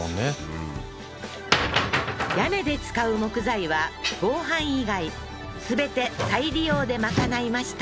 うん屋根で使う木材は合板以外全て再利用でまかないました